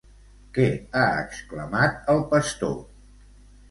Què ha exclamat el pastor?